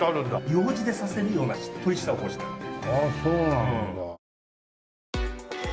ようじで刺せるようなしっとりしたおこしなんです。